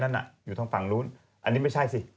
อยู่ทางฝั่งนู้นอันนี้ไม่ใช่สิ